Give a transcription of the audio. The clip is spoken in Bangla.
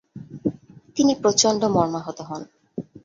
তিনি প্রচণ্ড মর্মাহত হন।